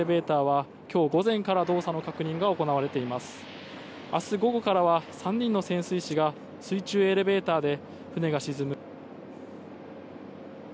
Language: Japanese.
明日午後からは３人の潜水士が水中エレベーターで。